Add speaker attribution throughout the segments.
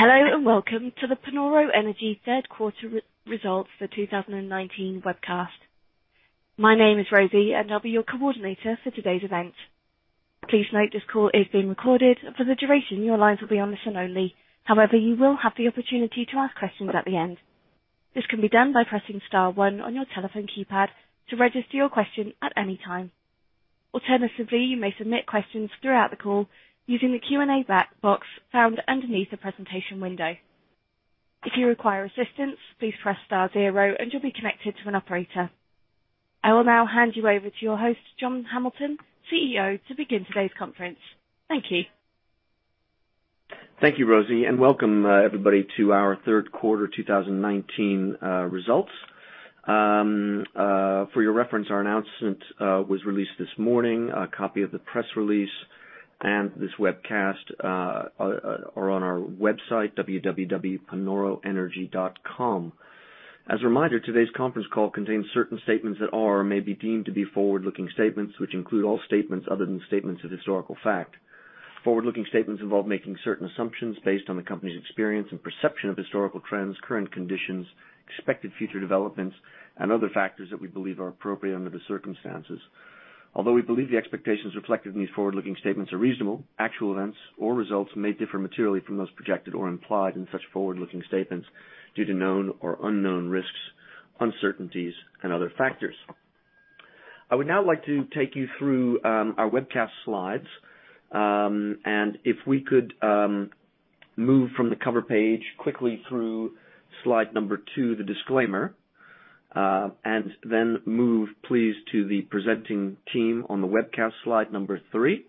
Speaker 1: Hello, and welcome to the Panoro Energy third quarter results for 2019 webcast. My name is Rosie, and I'll be your coordinator for today's event. Please note this call is being recorded. For the duration, your lines will be on listen only. However, you will have the opportunity to ask questions at the end. This can be done by pressing star one on your telephone keypad to register your question at any time. Alternatively, you may submit questions throughout the call using the Q&A box found underneath the presentation window. If you require assistance, please press star zero and you'll be connected to an operator. I will now hand you over to your host, John Hamilton, CEO, to begin today's conference. Thank you.
Speaker 2: Thank you, Rosie, and welcome, everybody, to our third quarter 2019 results. For your reference, our announcement was released this morning. A copy of the press release and this webcast are on our website, www.panoroenergy.com. As a reminder, today's conference call contains certain statements that are or may be deemed to be forward-looking statements, which include all statements other than statements of historical fact. Forward-looking statements involve making certain assumptions based on the company's experience and perception of historical trends, current conditions, expected future developments, and other factors that we believe are appropriate under the circumstances. Although we believe the expectations reflected in these forward-looking statements are reasonable, actual events or results may differ materially from those projected or implied in such forward-looking statements due to known or unknown risks, uncertainties, and other factors. I would now like to take you through our webcast slides. If we could move from the cover page quickly through slide number two, the disclaimer, then move, please, to the presenting team on the webcast, slide number three.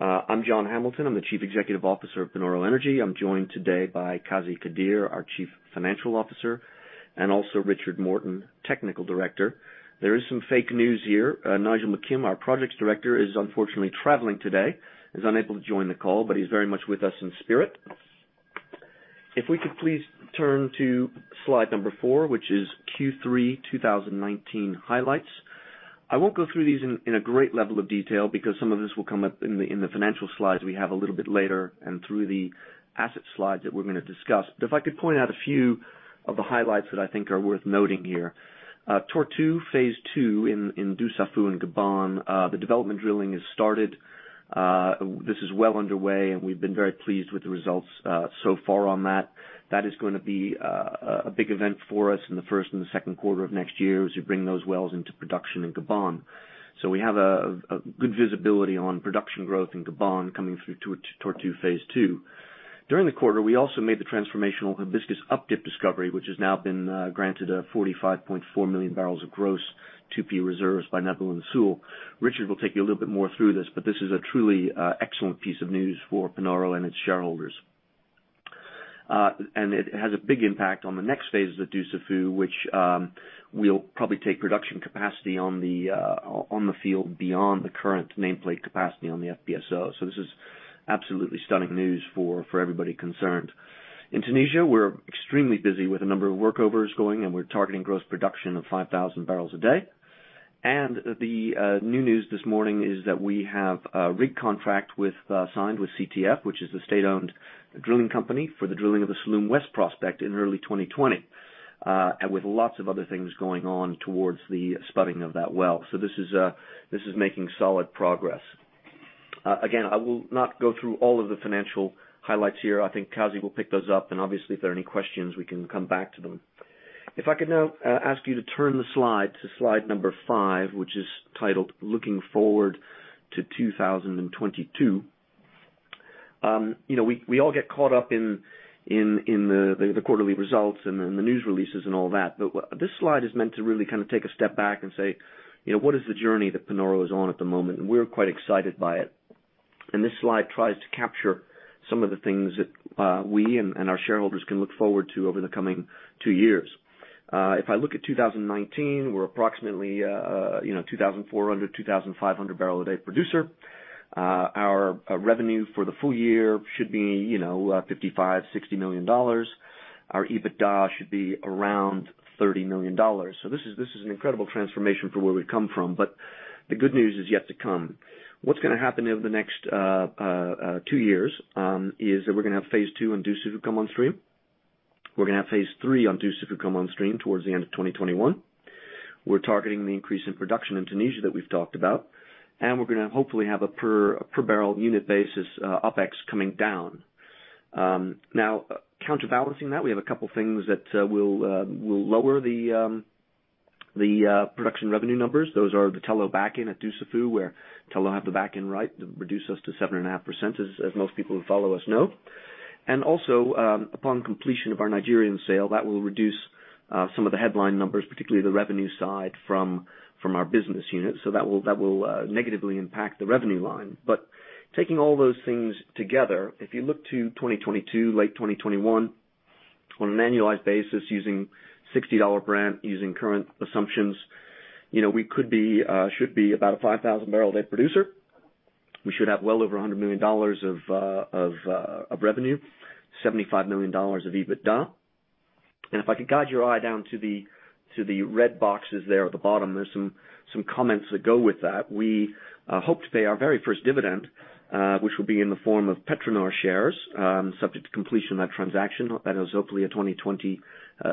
Speaker 2: I'm John Hamilton, I'm the Chief Executive Officer of Panoro Energy. I'm joined today by Qazi Qadeer, our Chief Financial Officer, and also Richard Morton, Technical Director. There is some fake news here. Nigel McKim, our Projects Director, is unfortunately traveling today, is unable to join the call, but he's very much with us in spirit. If we could please turn to slide number four, which is Q3 2019 highlights. I won't go through these in a great level of detail because some of this will come up in the financial slides we have a little bit later and through the asset slides that we're going to discuss. If I could point out a few of the highlights that I think are worth noting here. Tortue Phase 2 in Dussafu, Gabon, the development drilling has started. This is well underway, and we've been very pleased with the results so far on that. That is going to be a big event for us in the first and the second quarter of next year as we bring those wells into production in Gabon. We have a good visibility on production growth in Gabon coming through Tortue Phase 2. During the quarter, we also made the transformational Hibiscus Updip discovery, which has now been granted 45.4 million barrels of gross 2P reserves by Netherland, Sewell. Richard will take you a little bit more through this, but this is a truly excellent piece of news for Panoro and its shareholders. It has a big impact on the next phases of Dussafu, which will probably take production capacity on the field beyond the current nameplate capacity on the FPSO. This is absolutely stunning news for everybody concerned. In Tunisia, we're extremely busy with a number of workovers going, and we're targeting gross production of 5,000 barrels a day. The new news this morning is that we have a rig contract signed with CTF, which is the state-owned drilling company for the drilling of the Salloum West prospect in early 2020. With lots of other things going on towards the spudding of that well. This is making solid progress. I will not go through all of the financial highlights here. I think Qazi will pick those up, and obviously, if there are any questions, we can come back to them. If I could now ask you to turn the slide to slide number five, which is titled Looking Forward to 2022. We all get caught up in the quarterly results and the news releases and all that. This slide is meant to really take a step back and say: What is the journey that Panoro is on at the moment? We're quite excited by it. This slide tries to capture some of the things that we and our shareholders can look forward to over the coming two years. If I look at 2019, we're approximately a 2,400, 2,500 barrel a day producer. Our revenue for the full year should be $55 million, $60 million. Our EBITDA should be around $30 million. This is an incredible transformation from where we've come from, but the good news is yet to come. What's going to happen over the next two years is that we're going to have phase two on Dussafu come on stream. We're going to have phase three on Dussafu come on stream towards the end of 2021. We're targeting the increase in production in Tunisia that we've talked about, and we're going to hopefully have a per-barrel unit basis OpEx coming down. Now, counterbalancing that, we have a couple things that will lower the production revenue numbers. Those are the Tullow back-in at Dussafu, where Tullow have the back-in right, reduce us to 7.5%, as most people who follow us know. Also, upon completion of our Nigerian sale, that will reduce some of the headline numbers, particularly the revenue side from our business unit. That will negatively impact the revenue line. Taking all those things together, if you look to 2022, late 2021, on an annualized basis using $60 Brent, using current assumptions, we should be about a 5,000 barrel a day producer. We should have well over $100 million of revenue, $75 million of EBITDA. If I could guide your eye down to the red boxes there at the bottom, there's some comments that go with that. We hope to pay our very first dividend, which will be in the form of PetroNor shares, subject to completion of that transaction. That is hopefully a 2020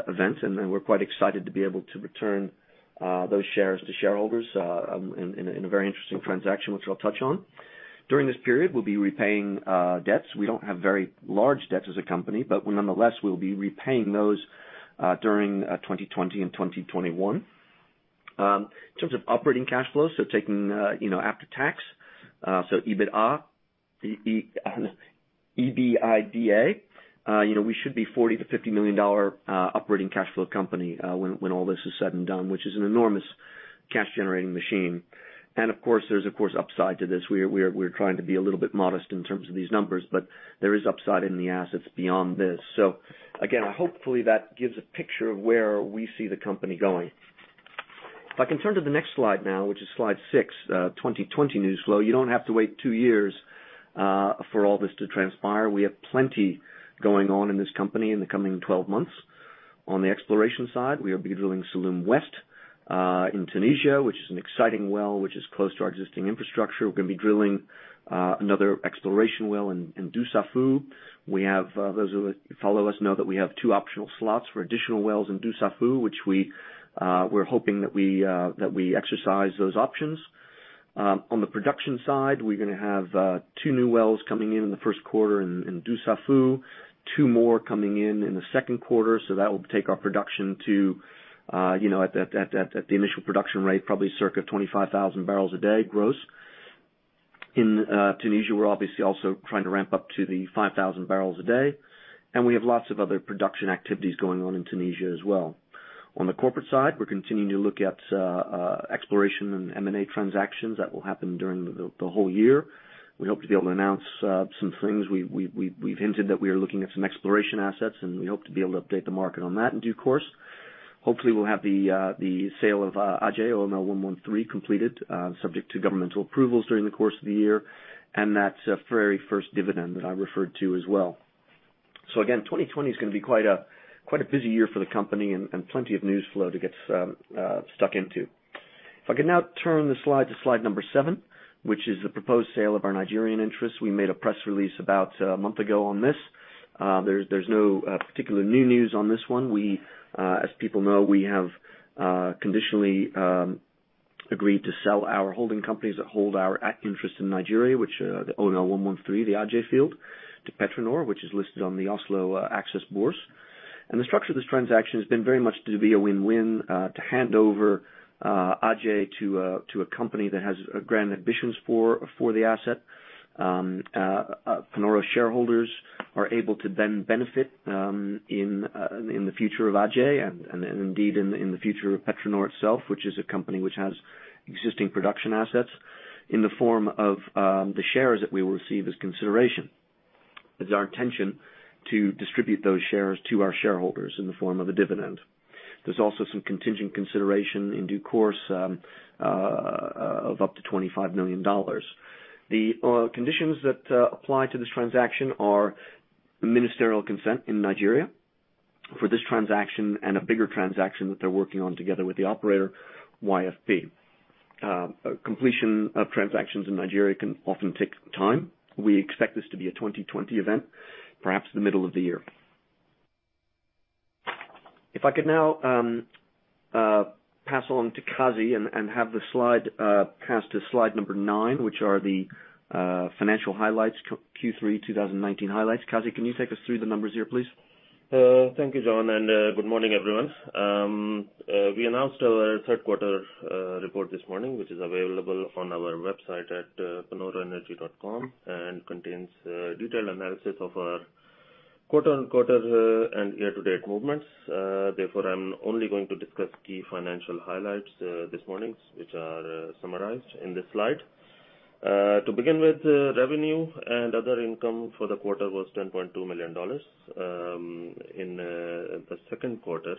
Speaker 2: event, and we're quite excited to be able to return those shares to shareholders in a very interesting transaction, which I'll touch on. During this period, we'll be repaying debts. We don't have very large debts as a company, but nonetheless, we'll be repaying those during 2020 and 2021. In terms of operating cash flow, so taking after tax, so EBITDA, we should be a $40 million-$50 million operating cash flow company when all is said and done, which is an enormous cash-generating machine. Of course, there's upside to this. We're trying to be a little bit modest in terms of these numbers, but there is upside in the assets beyond this. Again, hopefully, that gives a picture of where we see the company going. If I can turn to the next slide now, which is slide six, 2020 news flow. You don't have to wait two years for all this to transpire. We have plenty going on in this company in the coming 12 months. On the exploration side, we'll be drilling Salloum West in Tunisia, which is an exciting well, which is close to our existing infrastructure. We're going to be drilling another exploration well in Dussafu. Those who follow us know that we have two optional slots for additional wells in Dussafu, which we're hoping that we exercise those options. On the production side, we're going to have two new wells coming in in the first quarter in Dussafu, two more coming in in the second quarter. That will take our production at the initial production rate, probably circa 25,000 barrels a day gross. In Tunisia, we're obviously also trying to ramp up to the 5,000 barrels a day. We have lots of other production activities going on in Tunisia as well. On the corporate side, we're continuing to look at exploration and M&A transactions that will happen during the whole year. We hope to be able to announce some things. We've hinted that we are looking at some exploration assets, and we hope to be able to update the market on that in due course. Hopefully, we'll have the sale of Aje, OML 113 completed, subject to governmental approvals during the course of the year, and that very first dividend that I referred to as well. Again, 2020 is going to be quite a busy year for the company and plenty of news flow to get stuck into. If I could now turn the slide to slide number seven, which is the proposed sale of our Nigerian interests. We made a press release about a month ago on this. There's no particular new news on this one. As people know, we have conditionally agreed to sell our holding companies that hold our interest in Nigeria, OML 113, the Aje field, to PetroNor, which is listed on the Oslo Axess bourse. The structure of this transaction has been very much to be a win-win to hand over Aje to a company that has grand ambitions for the asset. Panoro shareholders are able to then benefit in the future of Aje and indeed in the future of PetroNor itself, which is a company which has existing production assets in the form of the shares that we will receive as consideration. It's our intention to distribute those shares to our shareholders in the form of a dividend. There's also some contingent consideration in due course of up to $25 million. The conditions that apply to this transaction are the ministerial consent in Nigeria for this transaction and a bigger transaction that they're working on together with the operator, YFP. Completion of transactions in Nigeria can often take time. We expect this to be a 2020 event, perhaps the middle of the year. If I could now pass on to Qazi and have the slide passed to slide number nine, which are the financial highlights, Q3 2019 highlights. Qazi, can you take us through the numbers here, please?
Speaker 3: Thank you, John. Good morning, everyone. We announced our third quarter report this morning, which is available on our website at panoroenergy.com and contains a detailed analysis of our quarter-on-quarter and year-to-date movements. Therefore, I'm only going to discuss key financial highlights this morning, which are summarized in this slide. To begin with, revenue and other income for the quarter was $10.2 million. In the second quarter,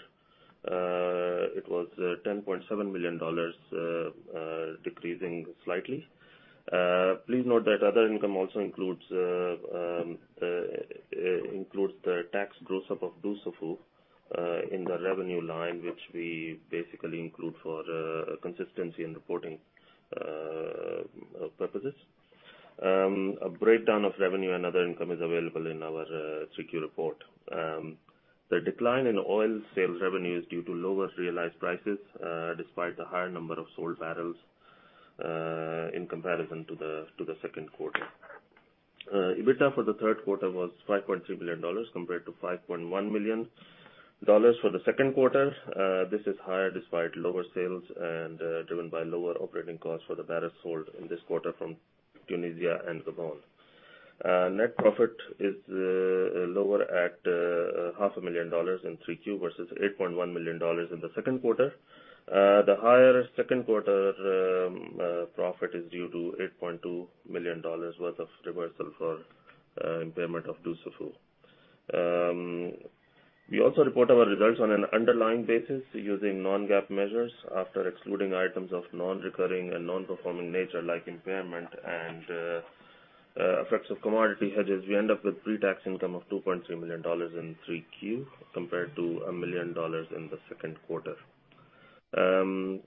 Speaker 3: it was $10.7 million, decreasing slightly. Please note that other income also includes the tax gross up of Dussafu in the revenue line, which we basically include for consistency in reporting purposes. A breakdown of revenue and other income is available in our 3Q report. The decline in oil sales revenue is due to lower realized prices, despite the higher number of sold barrels in comparison to the second quarter. EBITDA for the third quarter was $5.3 million compared to $5.1 million for the second quarter. This is higher despite lower sales and driven by lower operating costs for the barrels sold in this quarter from Tunisia and Gabon. Net profit is lower at $500,000 in 3Q versus $8.1 million in the second quarter. The higher second quarter profit is due to $8.2 million worth of reversal for impairment of Dussafu. We also report our results on an underlying basis using non-GAAP measures after excluding items of non-recurring and non-performing nature like impairment and effects of commodity hedges, we end up with pre-tax income of $2.3 million in 3Q compared to $1 million in the second quarter.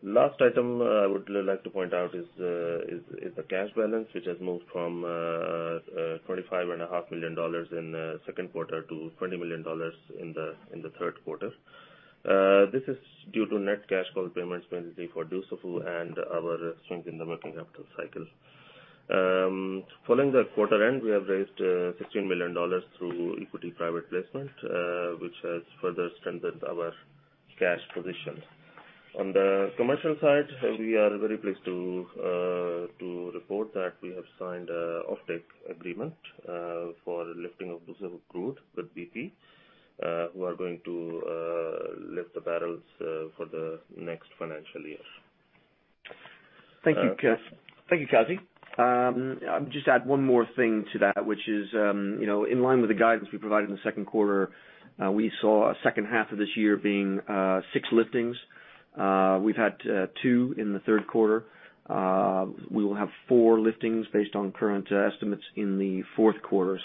Speaker 3: Last item I would like to point out is the cash balance, which has moved from $25.5 million in the second quarter to $20 million in the third quarter. This is due to net cash flow payments, mainly for Dussafu and our strength in the working capital cycle. Following the quarter end, we have raised $16 million through equity private placement, which has further strengthened our cash position. On the commercial side, we are very pleased to report that we have signed an offtake agreement for lifting of Dussafu crude with BP, who are going to lift the barrels for the next financial year.
Speaker 2: Thank you, Qazi. I'll just add one more thing to that, which is, in line with the guidance we provided in the second quarter, we saw a second half of this year being six liftings. We've had two in the third quarter. We will have four liftings based on current estimates in the fourth quarter.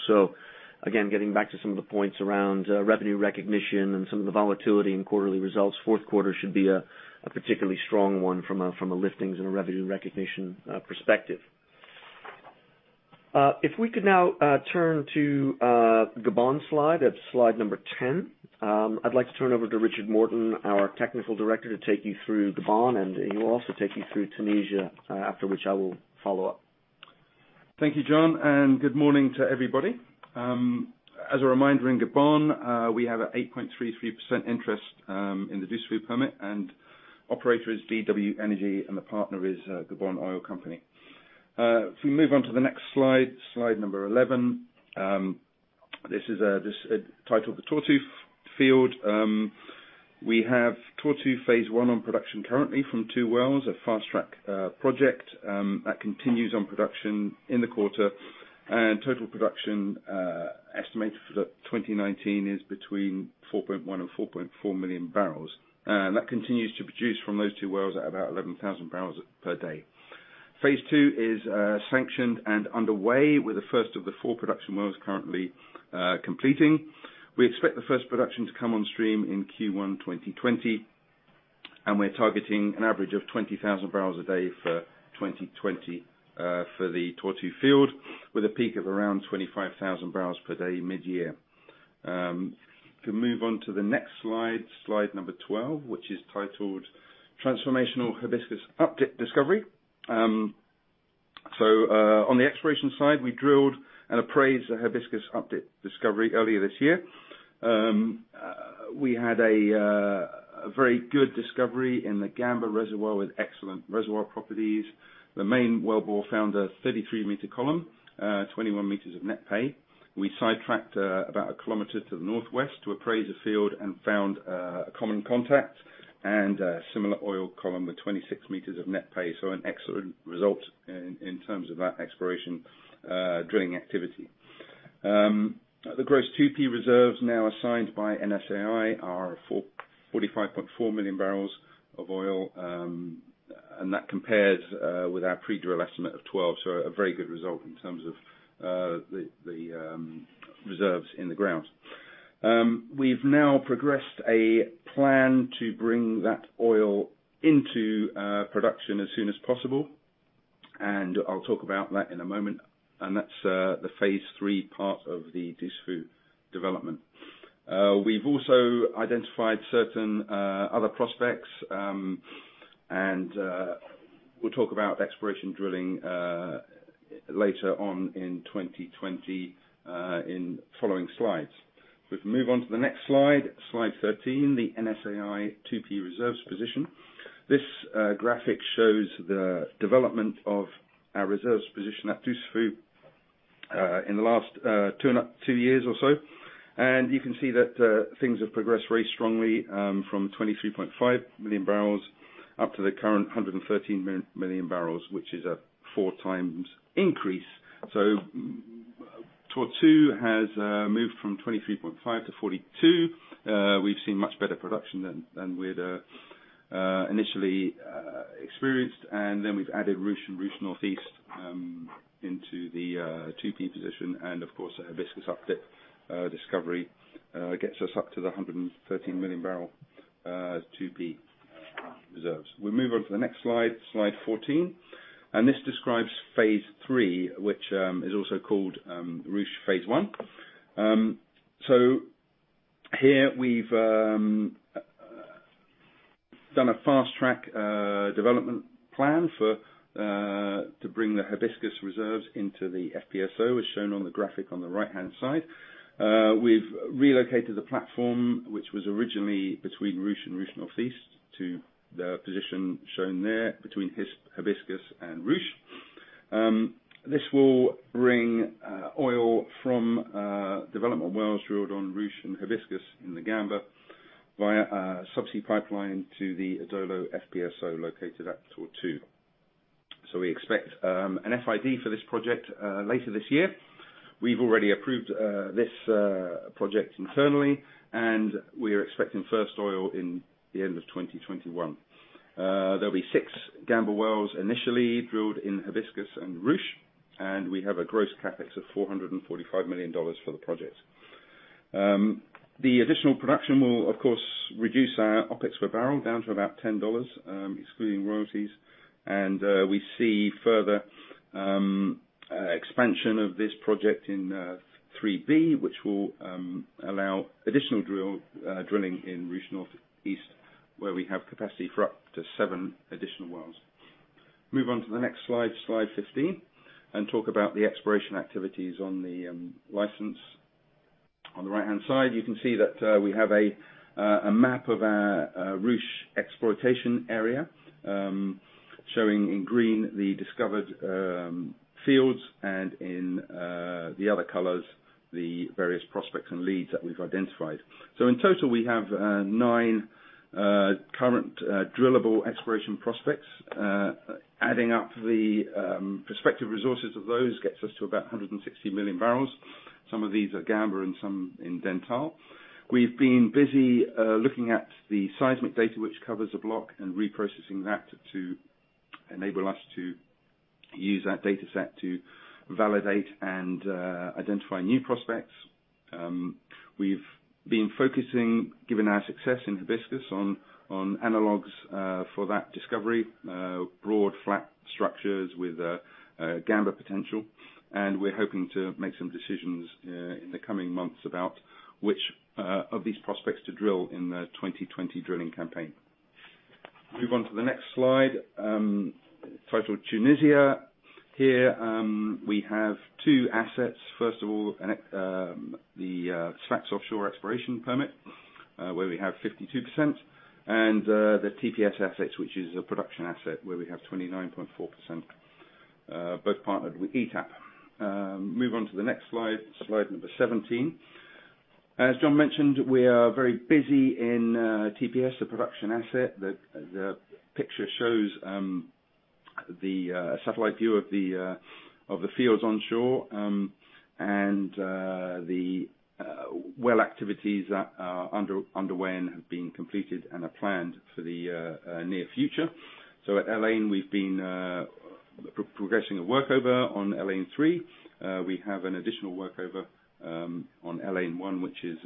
Speaker 2: Again, getting back to some of the points around revenue recognition and some of the volatility in quarterly results, fourth quarter should be a particularly strong one from a liftings and a revenue recognition perspective. If we could now turn to Gabon slide. That's slide number 10. I'd like to turn over to Richard Morton, our Technical Director, to take you through Gabon, and he will also take you through Tunisia, after which I will follow up.
Speaker 4: Thank you, John, and good morning to everybody. As a reminder, in Gabon, we have an 8.33% interest in the Dussafu permit, and operator is BW Energy, and the partner is Gabon Oil Company. If we move on to the next slide number 11. This is titled the Tortue Field. We have Tortue Phase 1 on production currently from two wells, a fast-track project that continues on production in the quarter. Total production estimated for 2019 is between 4.1 million and 4.4 million barrels. That continues to produce from those two wells at about 11,000 barrels per day. Phase 2 is sanctioned and underway, with the first of the four production wells currently completing. We expect the first production to come on stream in Q1 2020, and we're targeting an average of 20,000 barrels a day for 2020 for the Tortue field, with a peak of around 25,000 barrels per day mid-year. If we move on to the next slide number 12, which is titled Transformational Hibiscus Updip Discovery. On the exploration side, we drilled and appraised the Hibiscus Updip discovery earlier this year. We had a very good discovery in the Gamba reservoir with excellent reservoir properties. The main wellbore found a 33-meter column, 21 meters of net pay. We sidetracked about a kilometer to the northwest to appraise the field and found a common contact and a similar oil column with 26 meters of net pay. An excellent result in terms of that exploration drilling activity. The gross 2P reserves now assigned by NSAI are 45.4 million barrels of oil, that compares with our pre-drill estimate of 12. A very good result in terms of the reserves in the ground. We've now progressed a plan to bring that oil into production as soon as possible, and I'll talk about that in a moment. That's the phase 3 part of the Dussafu development. We've also identified certain other prospects, and we'll talk about exploration drilling later on in 2020 in following slides. If we move on to the next slide 13, the NSAI 2P Reserves Position. This graphic shows the development of our reserves position at Dussafu in the last two years or so. You can see that things have progressed very strongly from 23.5 million barrels up to the current 113 million barrels, which is a four times increase. Tortue has moved from 23.5 to 42. We've seen much better production than we'd initially experienced, and then we've added Ruche and Ruche Northeast into the 2P position. Of course, Hibiscus Updip discovery gets us up to the 113 million barrel 2P reserves. We move on to the next slide 14. This describes Phase 3, which is also called Ruche Phase 1. Here we've done a fast-track development plan to bring the Hibiscus reserves into the FPSO, as shown on the graphic on the right-hand side. We've relocated the platform, which was originally between Ruche and Ruche Northeast to the position shown there between Hibiscus and Ruche. This will bring oil from development wells drilled on Ruche and Hibiscus in the Gamba via a subsea pipeline to the Adolo FPSO located at Tortue. We expect an FID for this project later this year. We've already approved this project internally, and we are expecting first oil in the end of 2021. There'll be six Gamba wells initially drilled in Hibiscus and Ruche, and we have a gross CapEx of $445 million for the project. The additional production will, of course, reduce our OpEx per barrel down to about $10, excluding royalties. We see further expansion of this project in 3B, which will allow additional drilling in Ruche Northeast, where we have capacity for up to seven additional wells. Move on to the next slide 15, and talk about the exploration activities on the license. On the right-hand side, you can see that we have a map of our Ruche exploitation area, showing in green the discovered fields and in the other colors, the various prospects and leads that we've identified. In total, we have nine current drillable exploration prospects. Adding up the prospective resources of those gets us to about 160 million barrels. Some of these are Gamba and some in Dentale. We've been busy looking at the seismic data which covers the block and reprocessing that to enable us to use that data set to validate and identify new prospects. We've been focusing, given our success in Hibiscus, on analogs for that discovery. Broad, flat structures with Gamba potential. We're hoping to make some decisions in the coming months about which of these prospects to drill in the 2020 drilling campaign. Move on to the next slide, titled Tunisia. Here, we have two assets. First of all, the Sfax Offshore exploration permit, where we have 52%, and the TPS assets, which is a production asset where we have 29.4%, both partnered with ETAP. Move on to the next slide number 17. As John mentioned, we are very busy in TPS, the production asset. The picture shows the satellite view of the fields onshore. The well activities that are underway and have been completed and are planned for the near future. At El Ain we've been progressing a workover on El Ain-3. We have an additional workover on El Ain-1, which is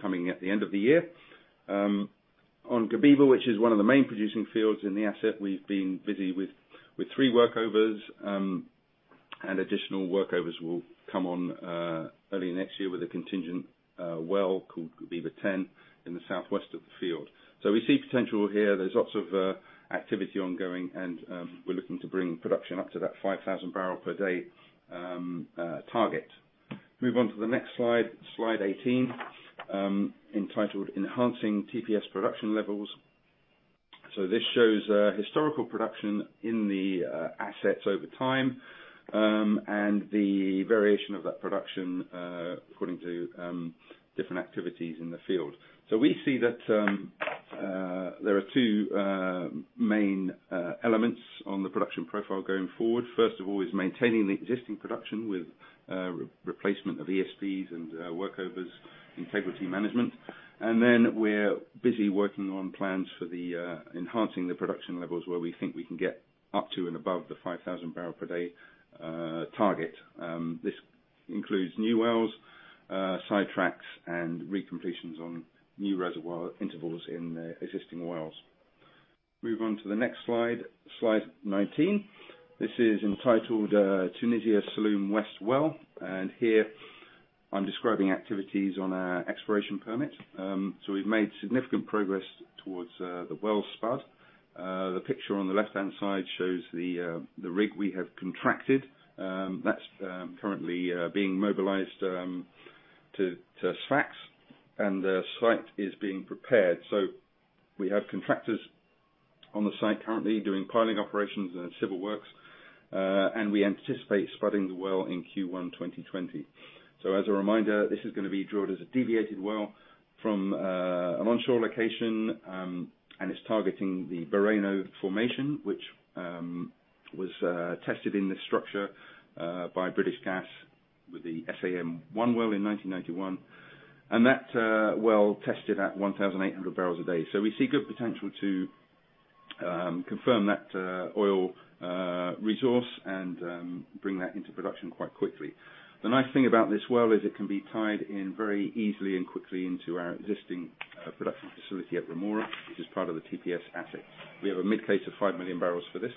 Speaker 4: coming at the end of the year. On Guebiba, which is one of the main producing fields in the asset, we've been busy with three workovers, and additional workovers will come on early next year with a contingent well called Guebiba 10 in the southwest of the field. We see potential here. There's lots of activity ongoing and we're looking to bring production up to that 5,000 barrel per day target. Move on to the next slide 18, entitled Enhancing TPS Production Levels. This shows historical production in the assets over time, and the variation of that production according to different activities in the field. We see that there are two main elements on the production profile going forward. First of all, is maintaining the existing production with replacement of ESPs and workovers, integrity management. Then we're busy working on plans for enhancing the production levels where we think we can get up to and above the 5,000 barrel per day target. This includes new wells, sidetracks, and recompletions on new reservoir intervals in the existing wells. Move on to the next slide 19. This is entitled Tunisia Salloum West Well. Here I'm describing activities on our exploration permit. We've made significant progress towards the well spud. The picture on the left-hand side shows the rig we have contracted. That's currently being mobilized to Sfax and the site is being prepared. We have contractors on the site currently doing piling operations and civil works. We anticipate spudding the well in Q1 2020. As a reminder, this is going to be drilled as a deviated well from an onshore location, and it's targeting the Bireno formation, which was tested in this structure by British Gas with the Salloum-1 well in 1991. That well tested at 1,800 barrels a day. We see good potential to confirm that oil resource and bring that into production quite quickly. The nice thing about this well is it can be tied in very easily and quickly into our existing production facility at Rhemoura, which is part of the TPS asset. We have a mid case of five million barrels for this,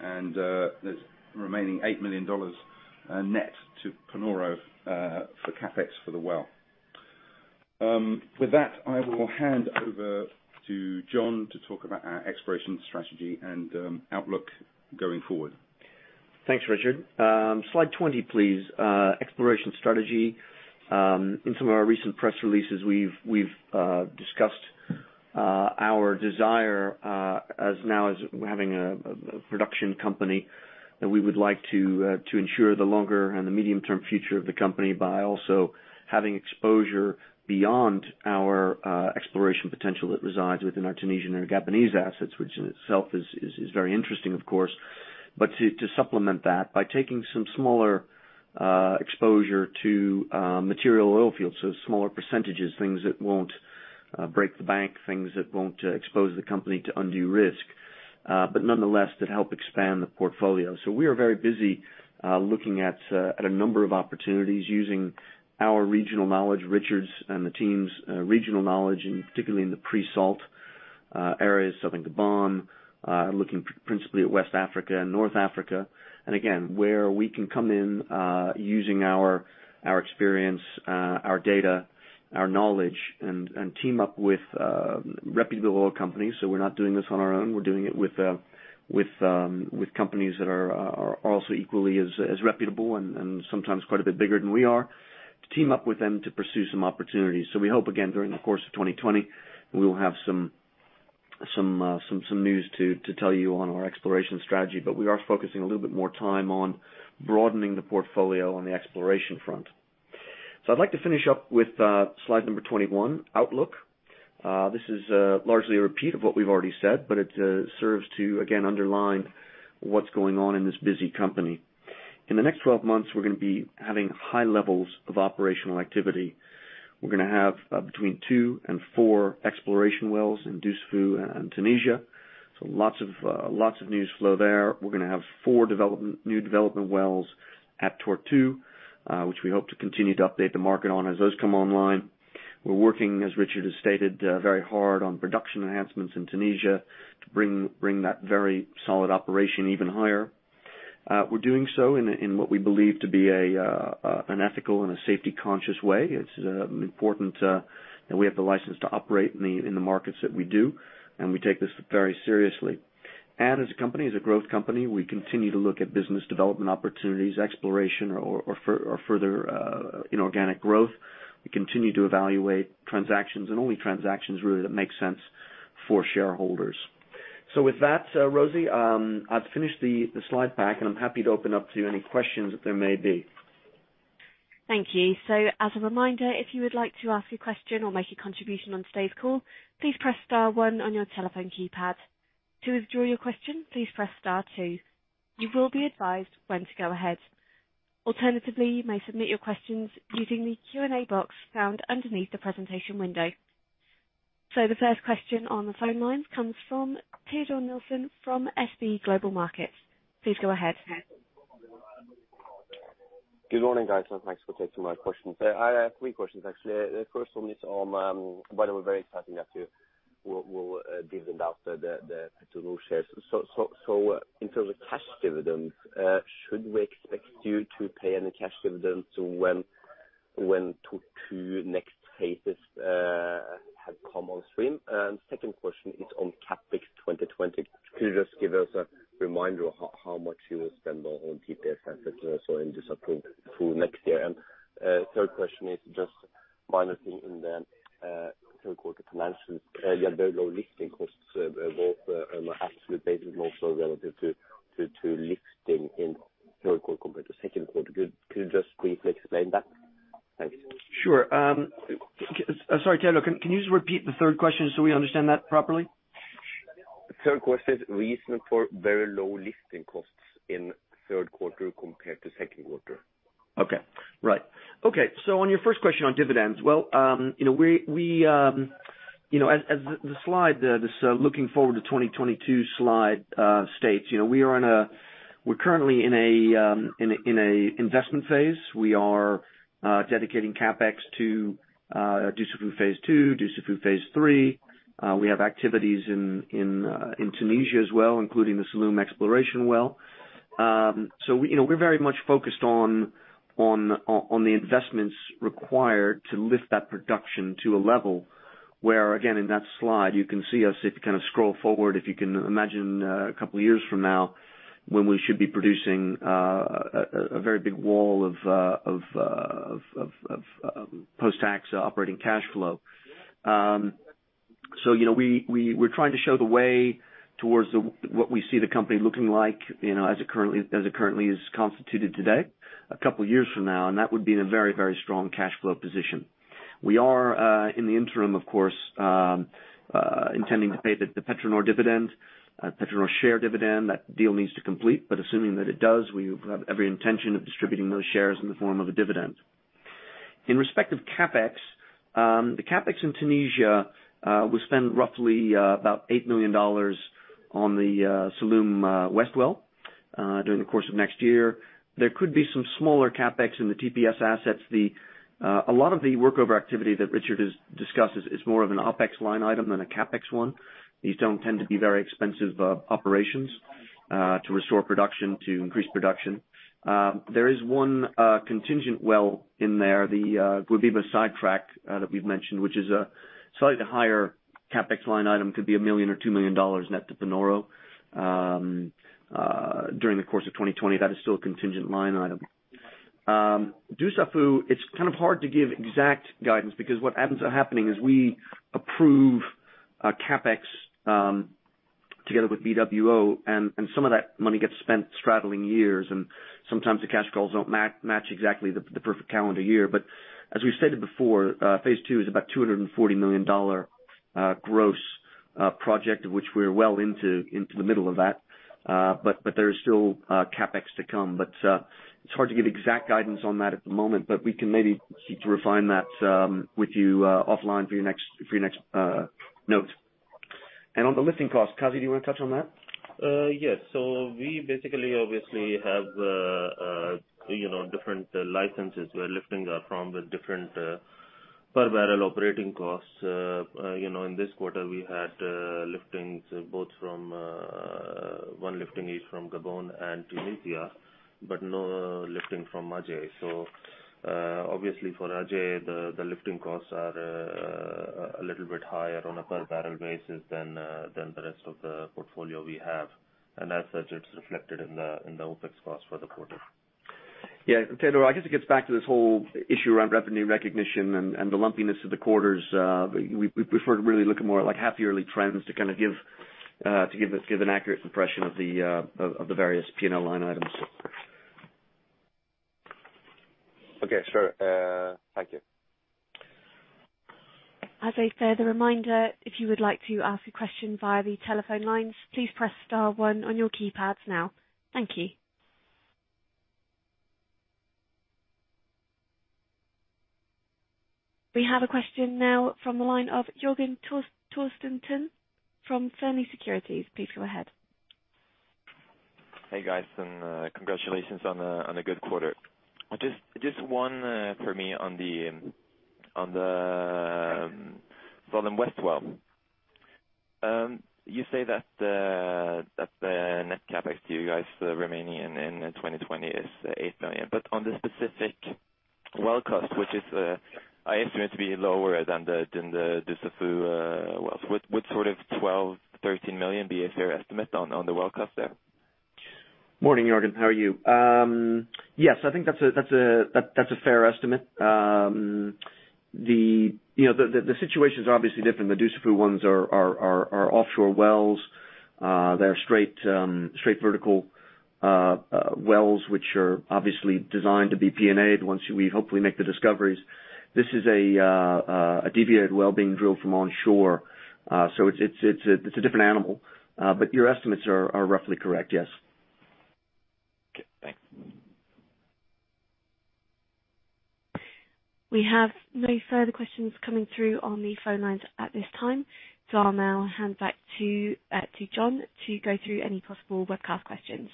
Speaker 4: and there's remaining $8 million net to Panoro for CapEx for the well. With that, I will hand over to John to talk about our exploration strategy and outlook going forward.
Speaker 2: Thanks, Richard. Slide 20, please. Exploration strategy. In some of our recent press releases, we've discussed our desire as now as having a production company that we would like to ensure the longer and the medium-term future of the company by also having exposure beyond our exploration potential that resides within our Tunisian or Gabonese assets, which in itself is very interesting, of course. To supplement that by taking some smaller exposure to material oil fields, so smaller percentages, things that won't break the bank, things that won't expose the company to undue risk, but nonetheless, that help expand the portfolio. We are very busy looking at a number of opportunities using our regional knowledge, Richard's and the team's regional knowledge, and particularly in the pre-salt areas, southern Gabon, looking principally at West Africa and North Africa. Again, where we can come in using our experience, our data, our knowledge, and team up with reputable oil companies. We're not doing this on our own. We're doing it with companies that are also equally as reputable and sometimes quite a bit bigger than we are to team up with them to pursue some opportunities. We hope, again, during the course of 2020, we will have some news to tell you on our exploration strategy. We are focusing a little bit more time on broadening the portfolio on the exploration front. I'd like to finish up with slide number 21, outlook. This is largely a repeat of what we've already said, but it serves to, again, underline what's going on in this busy company. In the next 12 months, we're going to be having high levels of operational activity. We're going to have between two and four exploration wells in Dussafu and Tunisia, Lots of news flow there. We're going to have four new development wells at Tortue, which we hope to continue to update the market on as those come online. We're working, as Richard has stated, very hard on production enhancements in Tunisia to bring that very solid operation even higher. We're doing so in what we believe to be an ethical and a safety-conscious way. It's important that we have the license to operate in the markets that we do. We take this very seriously. As a company, as a growth company, we continue to look at business development opportunities, exploration or further inorganic growth. We continue to evaluate transactions and only transactions, really, that make sense for shareholders. With that, Rosie, I've finished the slide pack, and I'm happy to open up to any questions that there may be.
Speaker 1: Thank you. As a reminder, if you would like to ask a question or make a contribution on today's call, please press star one on your telephone keypad. To withdraw your question, please press star two. You will be advised when to go ahead. Alternatively, you may submit your questions using the Q&A box found underneath the presentation window. The first question on the phone lines comes from Teodor Nilsen from SpareBank 1 Markets. Please go ahead.
Speaker 5: Good morning, guys. Thanks for taking my questions. I have three questions, actually. The first one is on, by the way, very exciting that you will be giving out the PetroNor shares. In terms of cash dividends, should we expect you to pay any cash dividends when Tortue next
Speaker 2: can you just repeat the third question so we understand that properly?
Speaker 5: Third question is reason for very low listing costs in third quarter compared to second quarter.
Speaker 2: Okay. Right. Okay. On your first question on dividends, well, as the slide, this looking forward to 2022 slide, states, we're currently in a investment phase. We are dedicating CapEx to Dussafu phase two, Dussafu phase three. We have activities in Tunisia as well, including the Salloum exploration well. We're very much focused on the investments required to lift that production to a level where, again, in that slide, you can see us if you kind of scroll forward, if you can imagine a couple of years from now when we should be producing a very big wall of post-tax operating cash flow. We're trying to show the way towards what we see the company looking like as it currently is constituted today, a couple of years from now, and that would be in a very, very strong cash flow position. We are, in the interim, of course, intending to pay the PetroNor dividend, PetroNor share dividend. That deal needs to complete, assuming that it does, we have every intention of distributing those shares in the form of a dividend. In respect of CapEx, the CapEx in Tunisia, we spend roughly about $8 million on the Salloum West Well during the course of next year. There could be some smaller CapEx in the TPS assets. A lot of the workover activity that Richard has discussed is more of an OpEx line item than a CapEx one. These don't tend to be very expensive operations to restore production, to increase production. There is one contingent well in there, the Guebiba sidetrack that we've mentioned, which is a slightly higher CapEx line item, could be one million or $2 million net to Panoro during the course of 2020. That is still a contingent line item. Dussafu, it's kind of hard to give exact guidance because what ends up happening is we approve a CapEx together with BWO, and some of that money gets spent straddling years, and sometimes the cash flows don't match exactly the perfect calendar year. As we've stated before, phase two is about $240 million gross project of which we are well into the middle of that. There is still CapEx to come. It's hard to give exact guidance on that at the moment, but we can maybe seek to refine that with you offline for your next note. On the lifting cost, Qazi, do you want to touch on that?
Speaker 3: Yes. We basically, obviously, have different licenses we're lifting from with different per barrel operating costs. In this quarter, we had one lifting each from Gabon and Tunisia, but no lifting from Aje. Obviously for Aje, the lifting costs are a little bit higher on a per barrel basis than the rest of the portfolio we have. As such, it's reflected in the OpEx cost for the quarter.
Speaker 2: Yeah. Teodor Nilsson, I guess it gets back to this whole issue around revenue recognition and the lumpiness of the quarters. We prefer to really look at more like half-yearly trends to give an accurate impression of the various P&L line items.
Speaker 5: Okay. Sure. Thank you.
Speaker 1: As a further reminder, if you would like to ask a question via the telephone lines, please press star one on your keypads now. Thank you. We have a question now from the line of Jørgen Torstensen from Fearnley Securities. Please go ahead.
Speaker 6: Hey, guys, congratulations on a good quarter. Just one for me on the Salloum West Well. You say that the net CapEx to you guys remaining in 2020 is $8 million. On the specific well cost, which is, I assume, to be lower than the Dussafu wells. Would sort of $12 million-$13 million be a fair estimate on the well cost there?
Speaker 2: Morning, Jorgen. How are you? Yes, I think that's a fair estimate. The situation's obviously different. The Dussafu ones are offshore wells. They're straight vertical wells, which are obviously designed to be P&A'd once we hopefully make the discoveries. This is a deviated well being drilled from onshore. It's a different animal. Your estimates are roughly correct, yes.
Speaker 6: Okay, thanks.
Speaker 1: We have no further questions coming through on the phone lines at this time. I'll now hand back to John to go through any possible webcast questions.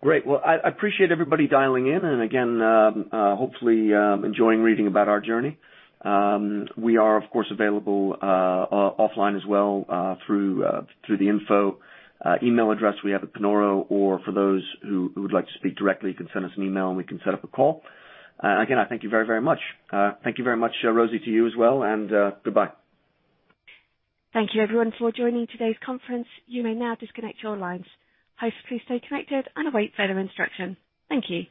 Speaker 2: Great. Well, I appreciate everybody dialing in, and again, hopefully enjoying reading about our journey. We are, of course, available offline as well, through the info email address we have at Panoro, or for those who would like to speak directly, you can send us an email and we can set up a call. Again, I thank you very much. Thank you very much, Rosie, to you as well, and goodbye.
Speaker 1: Thank you everyone for joining today's conference. You may now disconnect your lines. Please stay connected and await further instruction. Thank you.